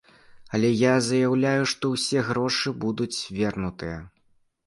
Але я заяўляю, што ўсе грошы будуць вернутыя.